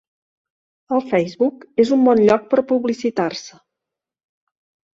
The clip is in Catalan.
El Facebook és un bon lloc per publicitar-se.